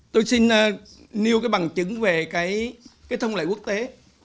tôi xin nêu cái bằng chứng về cái thông lệ quốc tế